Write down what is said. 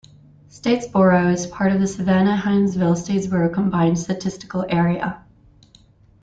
Statesboro is part of the Savannah-Hinesville-Statesboro Combined Statistical Area.